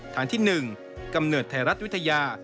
ทางที่๑กำเนิดไทยรัฐวิทยา